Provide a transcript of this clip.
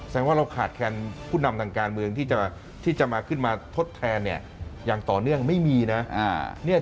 ว่าเราขาดแคนผู้นำทางการเมืองที่จะมาขึ้นมาทดแทนเนี่ยอย่างต่อเนื่องไม่มีนะ